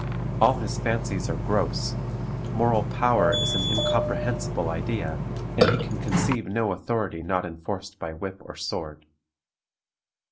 All his fancies are gross; moral power is an incomprehensible idea, and he can conceive no authority not enforced by whip or sword.